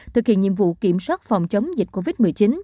thực hiện nhiệm vụ kiểm soát phòng chống dịch covid một mươi chín